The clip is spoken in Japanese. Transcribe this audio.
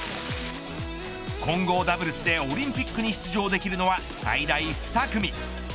混合ダブルスでオリンピックに出場できるのは最大２組。